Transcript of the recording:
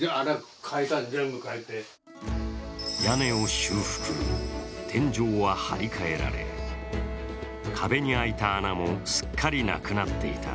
屋根を修復、天井は張り替えられ壁に空いた穴もすっかりなくなっていた。